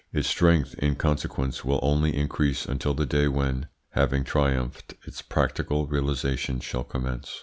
Its strength, in consequence, will only increase until the day when, having triumphed, its practical realisation shall commence.